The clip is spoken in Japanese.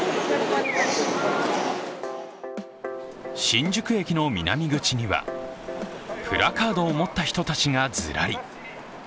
新宿駅の南口には、プラカードを持った人たちがずらり。